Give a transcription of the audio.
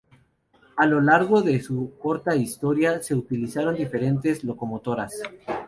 A lo largo de su corta historia se utilizaron diferentes locomotoras.